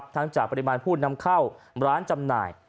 จากปริมาณผู้นำเข้าร้านจำหน่าย